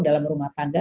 dalam rumah tangga